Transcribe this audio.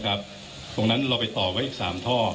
คุณผู้ชมไปฟังผู้ว่ารัฐกาลจังหวัดเชียงรายแถลงตอนนี้ค่ะ